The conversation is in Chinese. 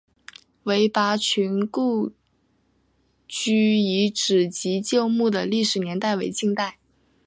韦拔群故居遗址及旧墓的历史年代为近代。